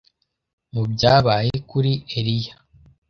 mu byabaye kuri Eliya